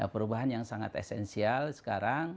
perubahan yang sangat esensial sekarang